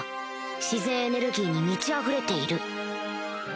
自然エネルギーに満ちあふれている